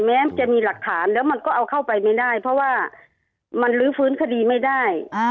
แม้จะมีหลักฐานแล้วมันก็เอาเข้าไปไม่ได้เพราะว่ามันลื้อฟื้นคดีไม่ได้